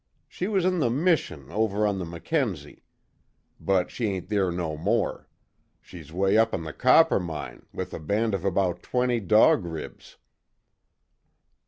She was in the mission over on the Mackenzie. But she ain't there no more. She's way up the Coppermine, with a band of about twenty Dog Ribs."